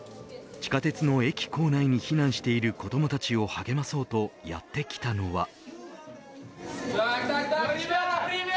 地下鉄の駅構内に避難している子どもたちを励まそうとやってきたのは。